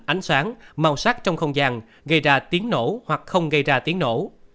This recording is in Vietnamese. pháo là sản phẩm có hiệu ứng âm thanh ánh sáng màu sắc trong không gian gây ra tiếng nổ hoặc không gây ra tiếng nổ